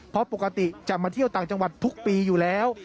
เพราะปกติจะมาเที่ยวต่างจังหวัดทุกปีอยู่แล้ว